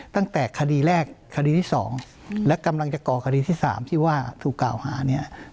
ตั้งแต่คดีแรกคดีที่๒และกำลังจะก่อคดีที่๓ที่ว่าถูกกล่าวหาเนี่ย